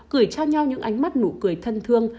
cười cho nhau những ánh mắt nụ cười thân thương